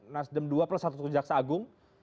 nasdem dua plus satu jaksa agung